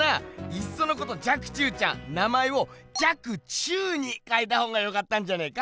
いっそのこと若冲ちゃん名前を「若虫」にかえたほうがよかったんじゃねえか？